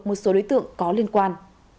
một số đối tượng có liên quan